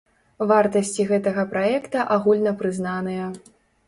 Вартасці гэтага праекта агульна прызнаныя.